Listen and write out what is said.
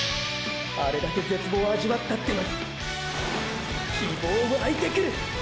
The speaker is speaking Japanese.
あれだけ絶望味わったってのに希望湧いてくる！